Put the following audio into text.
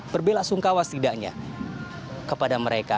berbela sungkawa setidaknya kepada mereka